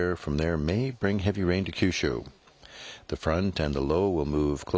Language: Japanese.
そうですね。